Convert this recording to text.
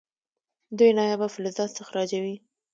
دوی نایابه فلزات استخراجوي.